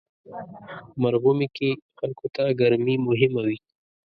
مرغومی کې خلکو ته ګرمي مهمه وي.